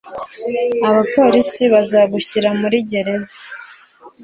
Abapolisi bazagushyira muri gereza.